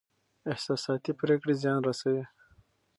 احساساتي پرېکړې زيان رسوي.